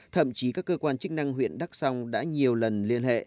thậm chí các cơ quan chức năng huyện đắk song đã nhiều lần liên hệ